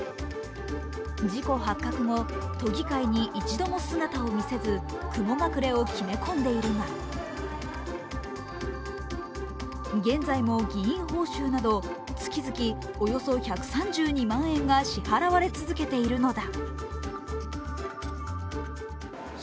事故発覚後、都議会に一度も姿を見せず雲隠れを決め込んでいるが現在も、議員報酬など月々およそ１３２万円が支払われ続けているのだ。